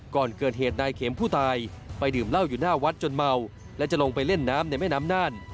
ก่อนเกิดเหตุนายเข็มผู้ตายไปดื่มเหล้าอยู่หน้าวัดจนเมาและจะลงไปเล่นน้ำในแม่น้ำน่าน